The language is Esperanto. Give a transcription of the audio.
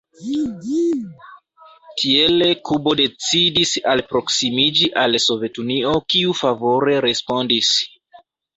Tiele Kubo decidis alproksimiĝi al Sovetunio kiu favore respondis.